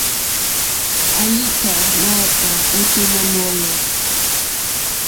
Àyíkâ máǎkpà ôténá mɔ̌lɔ̀.